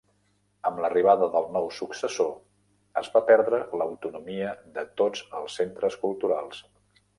Amb l'arribada del nou successor es va perdre l'autonomia de tots els centres culturals.